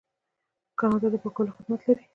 کاناډا د پاکولو خدمات لري.